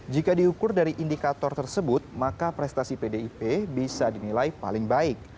jika diukur dari indikator tersebut maka prestasi pdip bisa dinilai paling baik